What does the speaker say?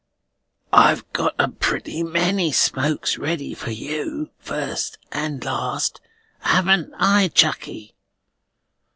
"I've got a pretty many smokes ready for you, first and last, haven't I, chuckey?"